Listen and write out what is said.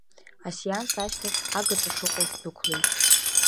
Асеанс ашьҭахь агаҿа шыҟоу сдәықәлеит.